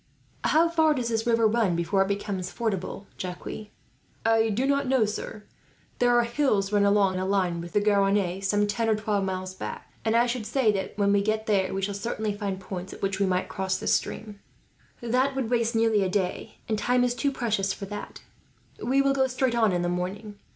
"How far does this river run before it becomes fordable, Jacques?" "I do not know, sir. There are hills run along, in a line with the Garonne, some ten or twelve miles back; and I should say that, when we get there, we shall certainly find points at which we might cross this stream." "That would waste nearly a day, and time is too precious for that. We will go straight on in the morning.